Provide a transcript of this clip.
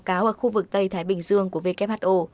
xe đã được báo cáo ở khu vực tây thái bình dương của who